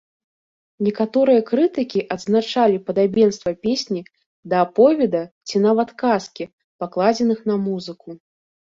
Некаторыя крытыкі адзначылі падабенства песні да аповеда ці нават казкі, пакладзеных на музыку.